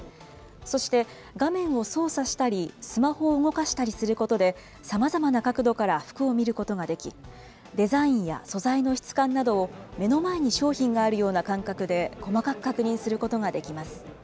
そして、画面を操作したり、スマホを動かしたりすることで、さまざまな角度から服を見ることができ、デザインや素材の質感などを、目の前に商品があるような感覚で細かく確認することができます。